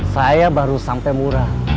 saya baru sampai murah